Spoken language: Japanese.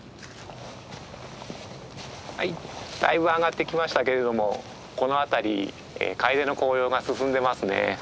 はいだいぶ上がってきましたけれどもこの辺りカエデの紅葉が進んでますね。